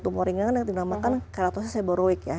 tumor ringan yang dinamakan keratosis seborowik ya